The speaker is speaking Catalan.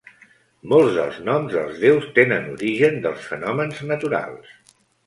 Molts dels noms dels déus tenen origen dels fenòmens naturals.